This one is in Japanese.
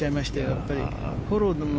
やっぱり。